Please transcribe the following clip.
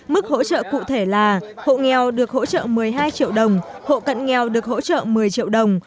mức hỗ trợ cụ thể là hộ nghèo được hỗ trợ một mươi hai triệu đồng hộ cận nghèo được hỗ trợ một mươi triệu đồng